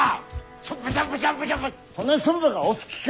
そんなに駿府がお好きか！